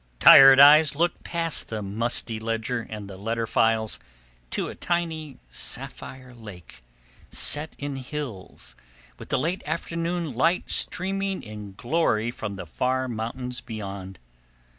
Tired eyes look past the musty ledger and the letter files to a tiny sapphire lake, set in hills, with the late afternoon light streaming in glory from the far mountains beyond.